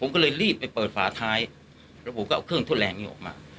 ผมก็เลยรีบไปเปิดฝาท้ายแล้วผมก็เอาเครื่องทดแรงนี้ออกมา